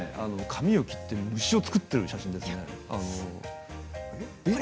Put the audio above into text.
紙を切って虫を作っている写真ですね。